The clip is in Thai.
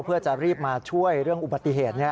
เพื่อจะรีบมาช่วยเรื่องอุบัติเหตุ